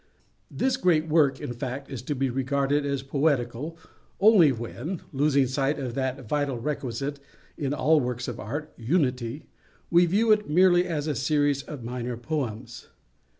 This great work, in fact, is to be regarded as poetical, only when, losing sight of that vital requisite in all works of Art, Unity, we view it merely as a series of minor poems.